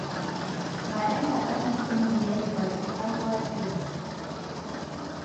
Maemo a ikonomi ya lefatshe a koafetse.